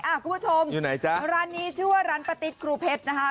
คุณผู้ชมอยู่ไหนจ๊ะร้านนี้ชื่อว่าร้านป้าติ๊ดครูเพชรนะคะ